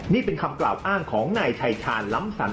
นี่เป็นคำกล่าวอ้างของนายชายชาญล้ำสัน